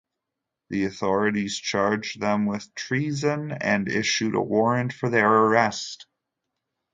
The authorities charged them with treason and issued a warrant for their arrest.